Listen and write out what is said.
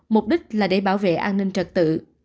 mục đích là để bảo vệ an ninh trật tự